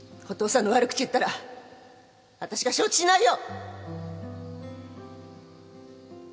お父さんの悪口言ったら私が承知しないよ！